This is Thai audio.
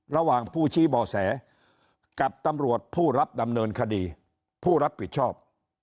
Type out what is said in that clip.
ระหว่างผู้ชี้บ่อแสกับตำรวจผู้รับดำเนินคดีผู้รับผิดชอบ